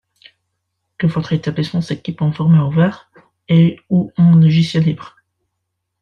que votre établissement s'équipe en formats ouverts et ou en logiciels libres.